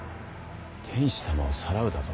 天子様をさらうだと？